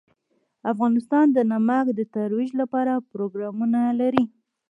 افغانستان د نمک د ترویج لپاره پروګرامونه لري.